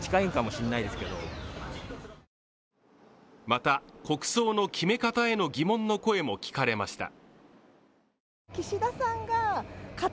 また、国葬の決め方への疑問の声も聞かれました。